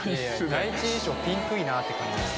第一印象ピンクだなって感じ。